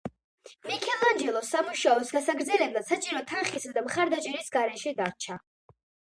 მიქელანჯელო სამუშაოს გასაგრძელებლად საჭირო თანხისა და მხარდაჭერის გარეშე დარჩა.